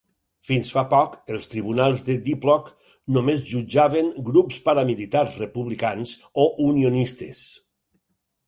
Fins fa poc, els tribunals de Diplock només jutjaven grups paramilitars republicans o unionistes.